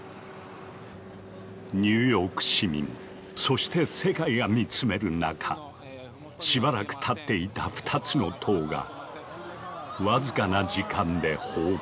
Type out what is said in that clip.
ニューヨーク市民そして世界が見つめる中しばらく立っていた２つの棟が僅かな時間で崩壊。